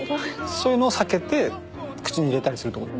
そういうのを避けて口に入れたりするってこと。